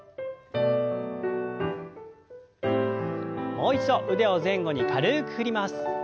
もう一度腕を前後に軽く振ります。